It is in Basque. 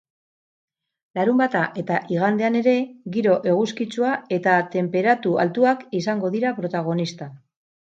Larunbata eta igandean ere giro eguzkitsua eta tenperatu altuak izango dira protagonista.